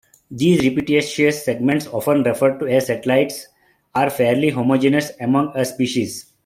These repetitious segments, often referred to as satellites, are fairly homogenous among a species.